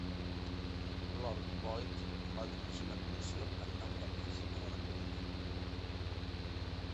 Lord Boyd va dirigir l'acusació en nom de l'Oficina de la corona.